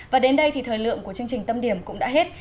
và đến đây thì thời lượng của chương trình tâm điểm cũng đã hết